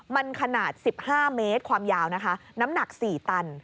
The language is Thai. มันขนาดสิบห้าเมตรความยาวนะคะน้ำหนักสี่ตัน